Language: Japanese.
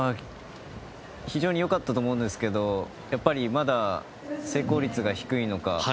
非常に良かったと思うんですけどやっぱりまだ成功率が低いのか。